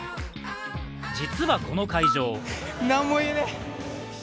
実はこの会場